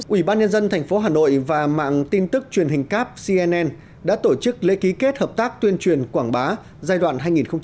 ủy ban nhân dân thành phố hà nội và mạng tin tức truyền hình cáp cnn đã tổ chức lễ ký kết hợp tác tuyên truyền quảng bá giai đoạn hai nghìn một mươi bảy hai nghìn một mươi tám